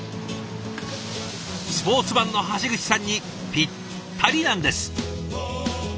スポーツマンの橋口さんにぴったりなんです。